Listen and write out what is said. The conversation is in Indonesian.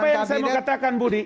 apa yang saya mau katakan budi